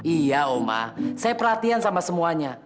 iya oma saya perhatian sama semuanya